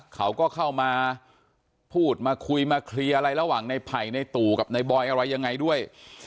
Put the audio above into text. เขาก็เข้ามาพูดมาคุยมาเคลียร์อะไรระหว่างในไผ่ในตู่กับในบอยอะไรยังไงด้วย